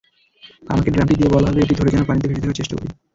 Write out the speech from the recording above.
আমাকে ড্রামটি দিয়ে বলা হলো এটি ধরে যেন পানিতে ভেসে থাকার চেষ্টা করি।